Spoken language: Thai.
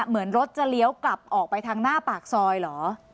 เหมือนรถจะเลี้ยวกลับออกไปทางหน้าปากซอยเหรอ